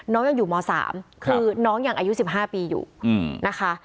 น้องยังอยู่มอสามคือน้องยังอายุสิบห้าปีอยู่อืมนะคะ